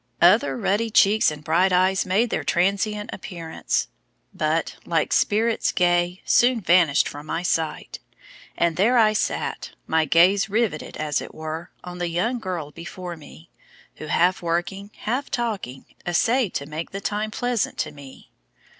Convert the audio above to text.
Other ruddy cheeks and bright eyes made their transient appearance, but, like spirits gay, soon vanished from my sight; and there I sat, my gaze riveted, as it were, on the young girl before me, who, half working, half talking, essayed to make the time pleasant to me.